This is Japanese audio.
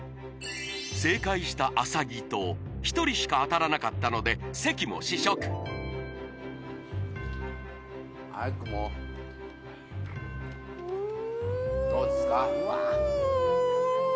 正解した麻木と１人しか当たらなかったので関も試食早くもううんどうですか？